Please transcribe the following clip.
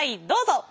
どうぞ！